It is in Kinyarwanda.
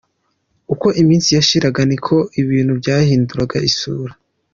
Uko iminsi yashiraga, ni ko ibintu byahindura isura.